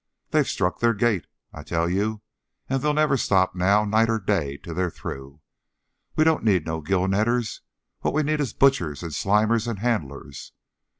They've struck their gait I tell you, and they'll never stop now night or day till they're through. We don't need no gill netters; what we need is butchers and slimers and handlers.